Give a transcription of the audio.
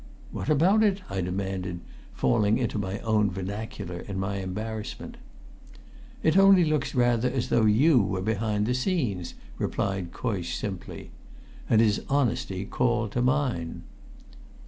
"What's about it?" I demanded, falling into my own vernacular in my embarrassment. "It only looks rather as though you were behind the scenes," replied Coysh simply. And his honesty called to mine.